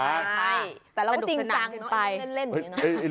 แต่เราก็จริงจังเนอะเรื่องเล่นอย่างนี้นะ